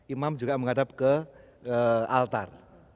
imam juga menghadap ke altar